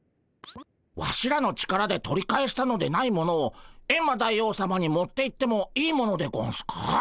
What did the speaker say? ワシらの力で取り返したのでないものをエンマ大王さまに持っていってもいいものでゴンスか？